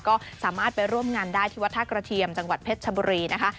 ก็สามารถไปร่วมงานได้ที่วัดท่ากระเทียมจังหวัดเพชรชบุรีนะคะ